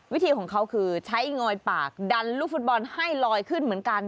วิธีของเขาคือใช้งอยปากดันลูกฟุตบอลให้ลอยขึ้นเหมือนกัน